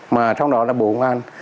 mà trong đó là bố ngăn